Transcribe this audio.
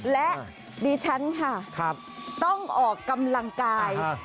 และดิฉันค่ะต้องออกกำลังกาย